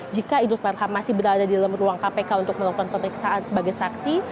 jika idrus marham masih berada di dalam ruang kpk untuk melakukan pemeriksaan sebagai saksi